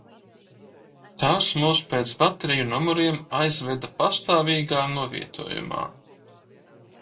Tās mūs pēc bateriju numuriem aizveda pastāvīgā novietojumā.